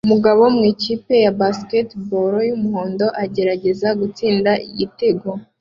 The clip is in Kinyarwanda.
Umugabo mu ikipe ya basketball yumuhondo agerageza gutsinda igitego